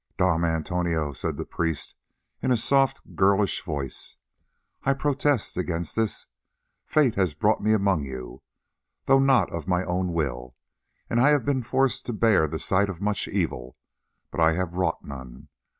"Dom Antonio," said the priest in a soft girlish voice, "I protest against this. Fate has brought me among you, though not of my own will, and I have been forced to bear the sight of much evil, but I have wrought none.